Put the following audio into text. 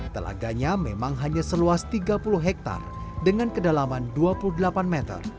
telaganya memang hanya seluas tiga puluh hektare dengan kedalaman dua puluh delapan meter